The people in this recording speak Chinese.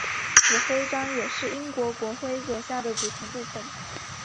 此徽章也是英国国徽左下的组成部分。